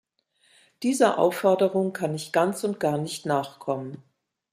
Dieser Aufforderung kann ich ganz und gar nicht nachkommen.